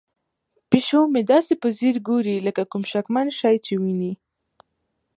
پیشو مې داسې په ځیر ګوري لکه کوم شکمن شی چې ویني.